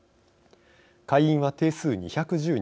会員は定数２１０人。